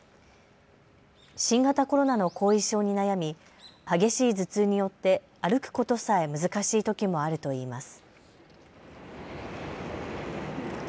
新型コロナの後遺症に悩み激しい頭痛によって歩くことさえ難しいときもあるといいます。